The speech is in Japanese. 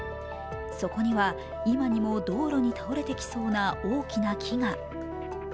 そこには、今にも道路に倒れてきそうな大きな木が。